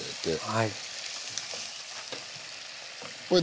はい。